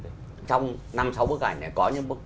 trong năm sáu bức ảnh này